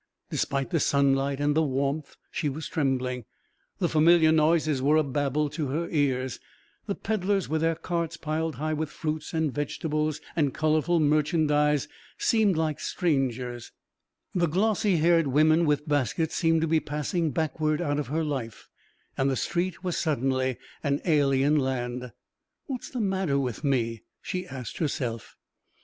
Despite the sunlight and warmth she was trembling, the familiar noises were a babel to her ears; the peddlers with their carts piled high with fruits and vegetables and colourful merchandise seemed like strangers; the glossy haired women with baskets seemed to be passing backward out of her life, and the street was suddenly an alien land. "What's the matter with me?" she asked herself.